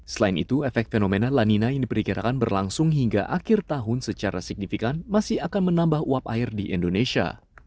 selain itu efek fenomena lanina yang diperkirakan berlangsung hingga akhir tahun secara signifikan masih akan menambah uap air di indonesia